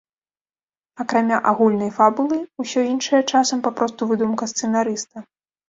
Акрамя агульнай фабулы, усё іншае часам папросту выдумка сцэнарыста.